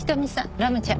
ラムちゃん。